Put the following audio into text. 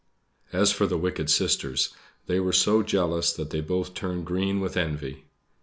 As for the wicked sisters they were so jealous that they both turned green with envy.